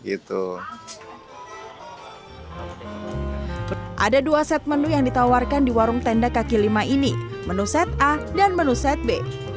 itu ada dua set menu yang ditawarkan di warung tenda kaki lima ini menuset dan menusetuno set b